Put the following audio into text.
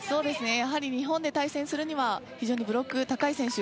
やはり日本で対戦するよりはブロックが高い選手